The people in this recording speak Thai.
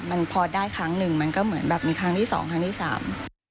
มันพอได้ครั้งหนึ่งมันก็เหมือนแบบมีครั้งที่สองครั้งที่สาม